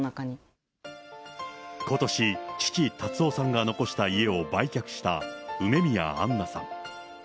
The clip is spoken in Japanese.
ことし、父、辰夫さんが残した家を売却した梅宮アンナさん。